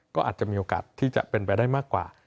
ก็อาจจะมีโอกาสที่จะเป็นไปได้มากกว่า